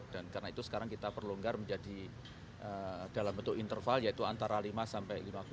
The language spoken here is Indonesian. karena itu sekarang kita perlonggar menjadi dalam bentuk interval yaitu antara lima sampai lima puluh